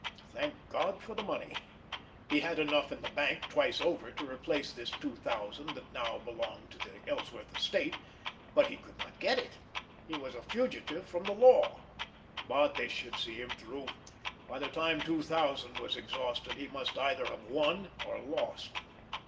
Thank God for the money! He had enough in the bank twice over to replace this two thousand that now belonged to the Ellsworth estate, but he could not get it! He was a fugitive from the law! But this should see him through—by the time two thousand was exhausted he must either have won or lost.